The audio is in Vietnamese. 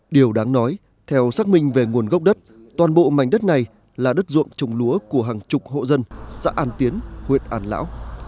điều đáng nói theo xác minh về nguồn gốc đất toàn bộ mảnh đất này là đất ruộng trồng lúa của hàng chục hộ dân xã an tiến huyện an lão